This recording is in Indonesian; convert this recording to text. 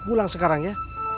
pulang sekarang ya